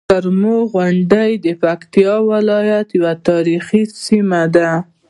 کرمو غونډۍ د پکتيکا ولايت یوه تاريخي سيمه ده.